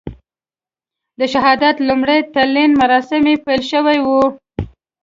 د شهادت لومړي تلین مراسم یې پیل شوي وو.